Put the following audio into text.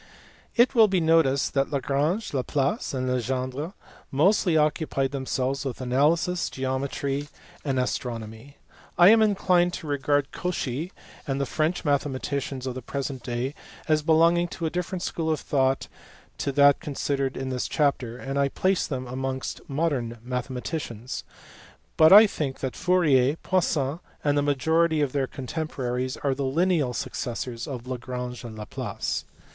It will be noticed that Lagrange, Laplace, and Legendre mostly occupied themselves with analysis, geometry, and astro * See La vie et les ouvrages de Poncelet by Didion and Dupin, Paris, 1869. CAVENDISH. RUMFORD. 435 nomy. I am inclined to regard Cauchy and the French mathe maticians of the present day as belonging to a different school of thought to that considered in this chapter and I place them amongst modern mathematicians, but I think that Fourier, Poisson, and the majority of their contemporaries are the lineal successors of Lagrange and Laplace.